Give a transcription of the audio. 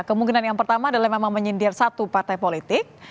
kemungkinan yang pertama adalah memang menyindir satu partai politik